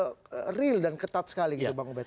karena datanya real dan ketat sekali gitu pak ngobet